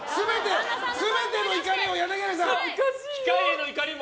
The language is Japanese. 全ての怒りを柳原さん。